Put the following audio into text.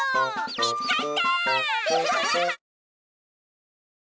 みつかった！